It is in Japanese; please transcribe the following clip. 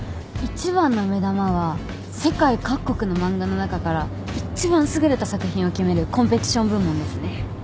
一番の目玉は世界各国の漫画の中から一番優れた作品を決めるコンペティション部門ですね。